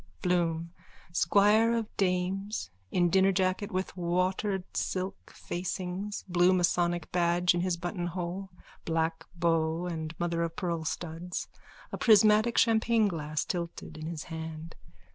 BLOOM: _(Squire of dames, in dinner jacket with wateredsilk facings, blue masonic badge in his buttonhole, black bow and mother of pearl studs, a prismatic champagne glass tilted in his hand.)